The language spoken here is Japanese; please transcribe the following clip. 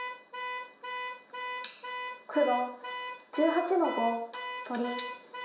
黒１８の五取り。